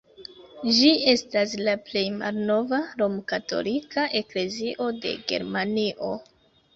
Ĝi estas la plej malnova rom-katolika eklezio de Germanio.